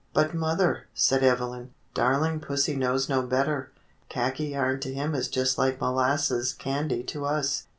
"But mother," said Evelyn, "darling pussy knows no better. Khaki yarn to him is just like molasses candy to us.